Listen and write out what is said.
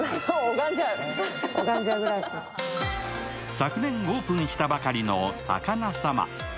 昨年オープンしたばかりのさかなさま。